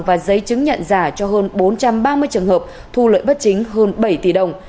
và giấy chứng nhận giả cho hơn bốn trăm ba mươi trường hợp thu lợi bất chính hơn bảy tỷ đồng